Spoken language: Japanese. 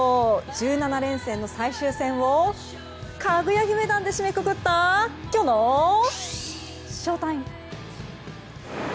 １７連戦の最終戦をかぐや姫弾で締めくくったきょうのＳＨＯＴＩＭＥ。